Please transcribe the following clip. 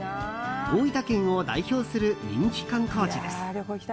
大分県を代表する人気観光地です。